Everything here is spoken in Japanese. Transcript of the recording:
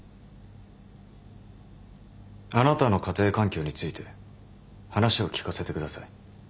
あなたの家庭環境について話を聞かせてください。